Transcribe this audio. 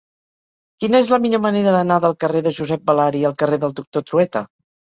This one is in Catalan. Quina és la millor manera d'anar del carrer de Josep Balari al carrer del Doctor Trueta?